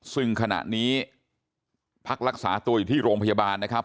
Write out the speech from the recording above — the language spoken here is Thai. ซึ่งขณะนี้พักรักษาตัวอยู่ที่โรงพยาบาลนะครับ